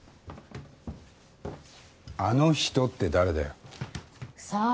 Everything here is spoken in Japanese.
「あの人」って誰だよ？さあ？